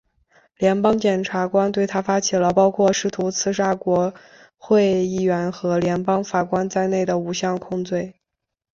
联邦检察官对他发起了包括试图刺杀国会议员和联邦法官在内的五项控罪。